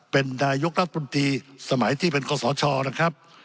เป็นนายกรัฐมนตรีสมัยที่เป็นกศชนะครับ